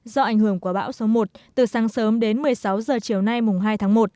do ảnh hưởng của bão số một từ sáng sớm đến một mươi sáu h chiều nay mùng hai tháng một